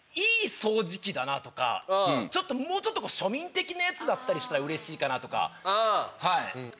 「いい掃除機だな」とか「もうちょっと庶民的なやつだったりしたらうれしいかな」とか。